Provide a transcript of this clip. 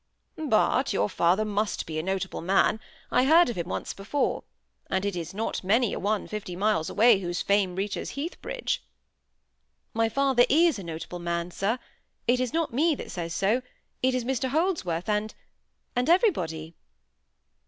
"But your father must be a notable man. I heard of him once before; and it is not many a one fifty miles away whose fame reaches Heathbridge." "My father is a notable man, sir. It is not me that says so; it is Mr Holdsworth, and—and everybody."